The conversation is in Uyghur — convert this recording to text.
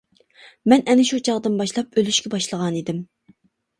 مەن ئەنە شۇ چاغدىن باشلاپ ئۆلۈشكە باشلىغانىدىم.